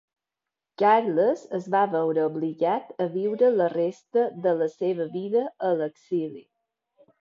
Carles es va veure obligat a viure la resta de la seva vida a l'exili.